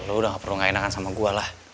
lo udah gak perlu gak enakan sama gue lah